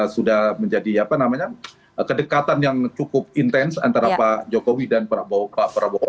sudah menjadi kedekatan yang cukup intens antara pak jokowi dan pak prabowo